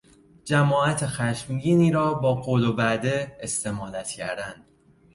جماعت خشمگینی را با قول و وعده استمالت کردن